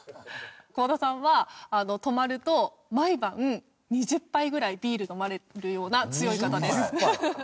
香田さんは泊まると毎晩２０杯ぐらいビール飲まれるような強い方です。